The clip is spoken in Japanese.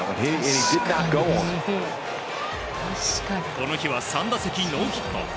この日は３打席ノーヒット。